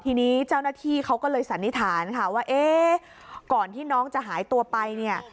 ทีนี้เจ้าหน้าที่เขาก็เลยสันนิษฐานค่ะว่าเอ๊ะก่อนที่น้องจะหายตัวไปเนี่ย